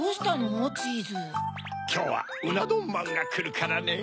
きょうはうなどんまんがくるからねぇ。